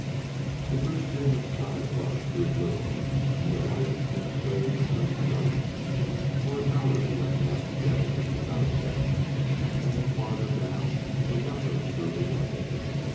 The blue stream of sky above grew bluer and the light and shade less bright. For an hour he went down steadily without a check, and the farther down the rougher grew the way.